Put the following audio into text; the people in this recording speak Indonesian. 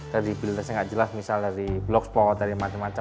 dari build listnya tidak jelas misalnya dari blogspot dari macam macam